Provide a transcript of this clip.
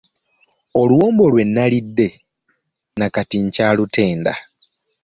Oluwombo lwe nalidde na kati nkyalutenda.